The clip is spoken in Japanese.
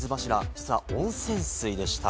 実は温泉水でした。